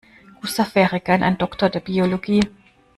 Gustav wäre gern ein Doktor der Biologie.